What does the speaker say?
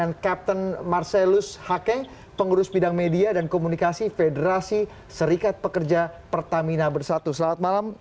nya pengurus bidang media dan komunikasi federasi serikat pekerja pertamina bersatu selamat malam